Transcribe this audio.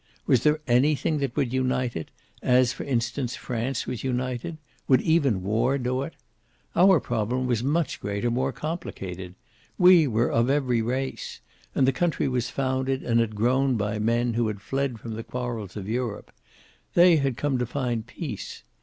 Was there anything that would unite it, as for instance France was united? Would even war do it? Our problem was much greater, more complicated. We were of every race. And the country was founded and had grown by men who had fled from the quarrels of Europe. They had come to find peace.